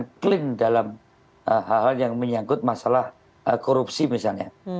tapi memang penuh dengan clear dan clean dalam hal hal yang menyangkut masalah korupsi misalnya